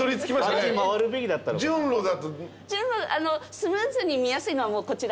スムーズに見やすいのはもうこちら。